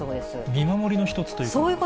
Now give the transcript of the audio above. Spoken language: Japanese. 見守りの一つというか。